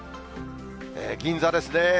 銀座ですね。